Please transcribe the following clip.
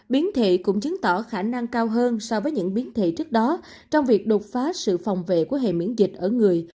biến thể cũng chứng tỏ khả năng cao hơn so với những biến thể trước đó trong việc đột phá sự phòng vệ của hệ miễn dịch ở người